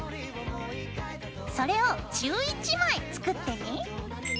それを１１枚作ってね。